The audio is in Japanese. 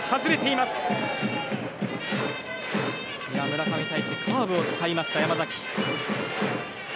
村上に対してカーブを使いました山崎。